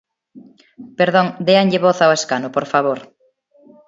Perdón, déanlle voz ao escano, por favor.